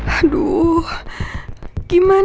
aduh gimana ini